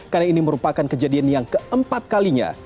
karena ini merupakan kejadian yang keempat kalinya